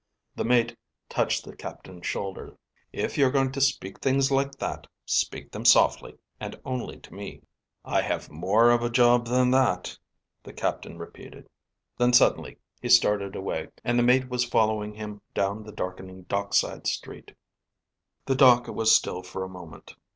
The mate touched the captain's shoulder. "If you're going to speak things like that, speak them softly, and only to me." "I have more of a job than that," the captain repeated. Then, suddenly, he started away, and the mate was following him down the darkening dockside street. The dock was still for a moment.